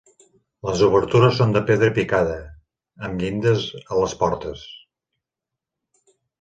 Les obertures són de pedra picada, amb llindes a les portes.